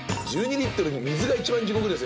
リットル水が一番地獄ですよ